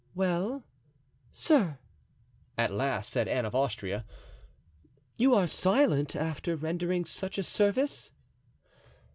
"Well, sir," at last said Anne of Austria, "you are silent, after rendering such a service?"